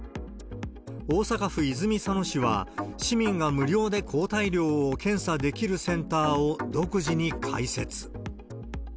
大阪府泉佐野市は市民が無料で抗体量を検査できるセンターを独自に開設。